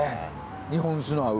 日本酒と合う。